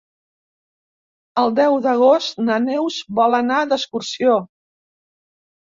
El deu d'agost na Neus vol anar d'excursió.